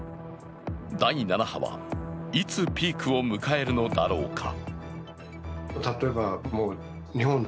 第７波はいつピークを迎えるのだろうか。